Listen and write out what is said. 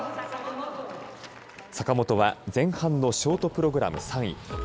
坂本は前半のショートプログラム３位。